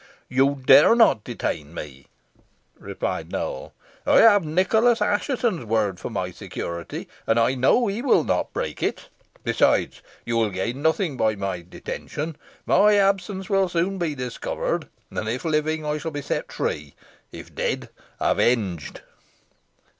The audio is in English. "You dare not detain me," replied Nowell. "I have Nicholas Assheton's word for my security, and I know he will not break it. Besides, you will gain nothing by my detention. My absence will soon be discovered, and if living I shall be set free; if dead, avenged."